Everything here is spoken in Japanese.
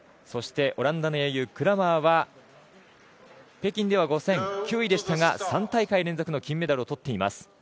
オランダの英雄、クラマーは北京では５０００で９位でしたが、３大会連続の金メダルをとっています。